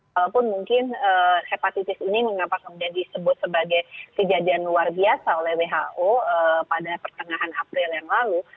walaupun mungkin hepatitis ini mengapa kemudian disebut sebagai kejadian luar biasa oleh who pada pertengahan april yang lalu